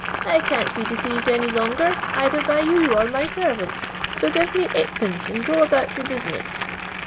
I can't be deceived any longer, cither by yon or my ser vants ; so give me Sd., and go about your busi ness.'